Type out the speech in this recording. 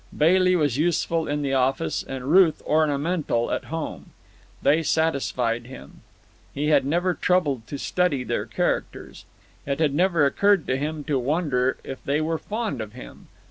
Bailey was useful in the office, and Ruth ornamental at home. They satisfied him. He had never troubled to study their characters. It had never occurred to him to wonder if they were fond of him.